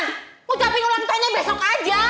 ucapin ulang tahunnya besok aja